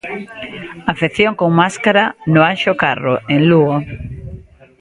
Afección con máscara no Anxo Carro, en Lugo.